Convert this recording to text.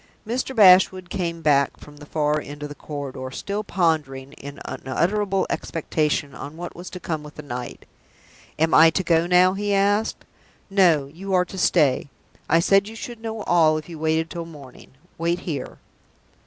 Mr. Bashwood came back from the far end of the corridor still pondering, in unutterable expectation, on what was to come with the night. "Am I to go now?" he asked. "No. You are to stay. I said you should know all if you waited till the morning. Wait here."